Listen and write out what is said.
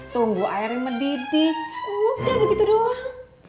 tunggu airnya mendidih udah begitu doang